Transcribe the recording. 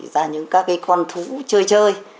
ra những các cái con thú chơi chơi